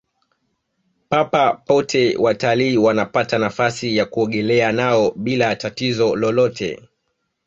papa pote watalii wanapata nafasi ya kuogelea nao bila tatizo lolote